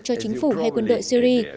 cho chính phủ hay quân đội syri